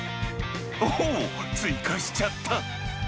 おっ、追加しちゃった。